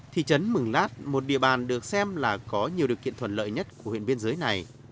thị trấn mường lát một địa bàn được xem là có nhiều điều kiện thuận lợi nhất của huyện biên giới này